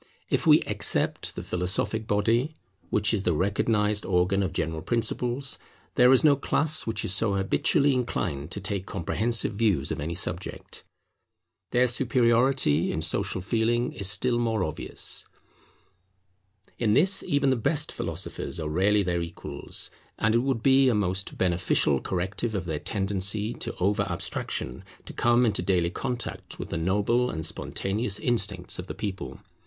If we except the philosophic body, which is the recognized organ of general principles, there is no class which is so habitually inclined to take comprehensive views of any subject. Their superiority in Social Feeling is still more obvious. In this even the best philosophers are rarely their equals; and it would be a most beneficial corrective of their tendency to over abstraction to come into daily contact with the noble and spontaneous instincts of the people.